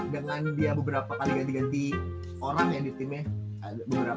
dengan dia beberapa kali ganti ganti orang yang di timnya